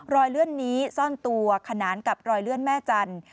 เลื่อนนี้ซ่อนตัวขนานกับรอยเลื่อนแม่จันทร์